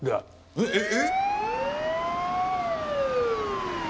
えっえっ？